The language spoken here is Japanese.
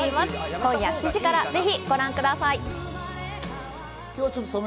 今夜７時からぜひご覧ください。